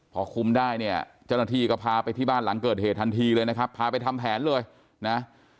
พอคุมได้เนี่ยเจ้าหน้าที่ก็พาไปที่บ้านหลังเกิดเหตุทันทีเลยนะครับพาไปทำแผนเลยนะ